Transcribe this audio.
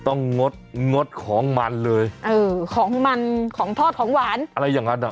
งดงดของมันเลยเออของมันของทอดของหวานอะไรอย่างงั้นอ่ะ